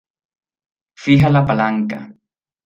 fija la palanca.